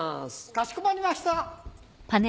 かしこまりました。